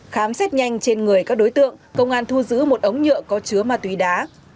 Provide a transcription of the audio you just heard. khám xét nhanh trên người các đối tượng công an thu giữ một ống nhựa có chứa ma túy đá